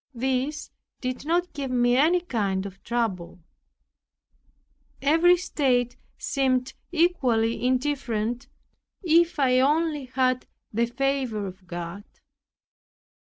This did not give me any kind of trouble. Every state seemed equally indifferent if I only had the favor of God.